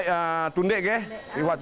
ini berapa juta juta